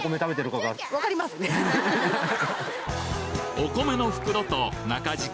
お米の袋と中敷き